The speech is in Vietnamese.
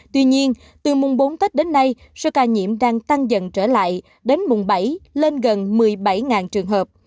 tuy nhiên từ mùng bốn tết đến nay số ca nhiễm đang tăng dần trở lại đến mùng bảy lên gần một mươi bảy trường hợp